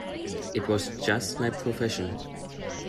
It was just my profession.